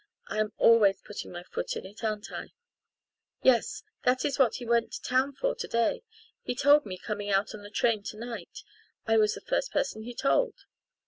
I am always putting my foot in it, aren't I? Yes, that is what he went to town for to day he told me coming out on the train to night, I was the first person he told.